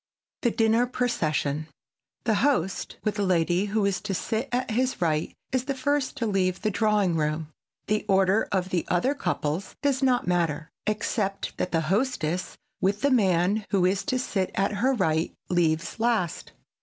[Sidenote: THE DINNER PROCESSION] The host, with the lady who is to sit at his right, is the first to leave the drawing room. The order of the other couples does not matter, except that the hostess, with the man who is to sit at her right, leaves last.